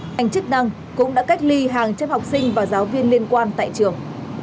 ngành chức năng cũng đã cách ly hàng trăm học sinh và giáo viên liên quan tại trường